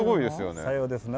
さようですな。